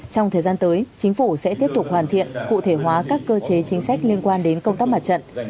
trong thời gian tới chính phủ sẽ tiếp tục hoàn thiện cụ thể hóa các cơ chế chính sách liên quan đến công tác mặt trận